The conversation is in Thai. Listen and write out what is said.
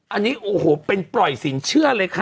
อันนี้โอ้โหเป็นปล่อยสินเชื่อเลยค่ะ